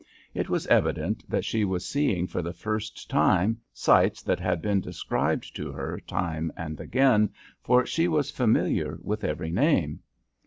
It was evident that she was seeing for the first time sights that had been described to her time and again, for she was familiar with every name.